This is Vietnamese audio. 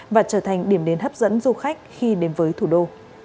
và trở thành điểm đến hấp dẫn du khách khi đến với thủ đô